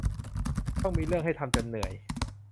ต้องมีเรื่องให้ทำจนเหนื่อย